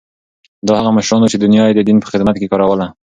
دا هغه مشران وو چې دنیا یې د دین په خدمت کې کاروله.